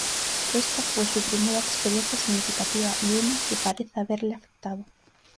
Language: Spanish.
Ésta fue su primera experiencia significativa y una que parece haberle afectado enormemente.